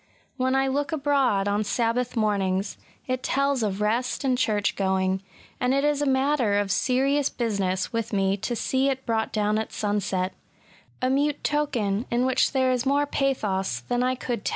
When I look abroad on Sabbath mornings, it tells of rest and church going ; and it is a matter of serious business with me to see it brought down at sunset, — a mute token in which there is more pathos than I could teU.